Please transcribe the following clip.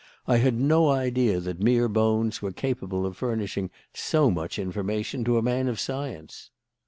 I had no idea that mere bones were capable of furnishing so much information to a man of science.